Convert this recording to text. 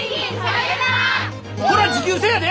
こら持久戦やで！